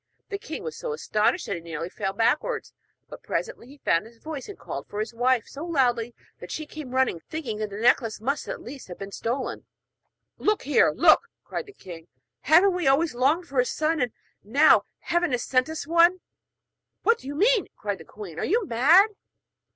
The king was so astonished that he nearly fell backwards, but presently he found his voice, and called for his wife so loudly that she came running, thinking that the necklace must at least have been stolen. 'Look here! look!' cried the king, 'haven't we always longed for a son? And now heaven has sent us one!' 'What do you mean?' cried the queen. 'Are you mad?'